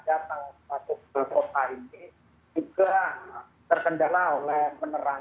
jadi kami sedang memperbaiki perusahaan untuk memperbaiki jahat umum yang dikelola oleh dina sosial kabupaten sampang